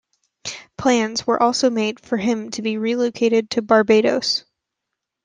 Plans were also made for him to be relocated to Barbados.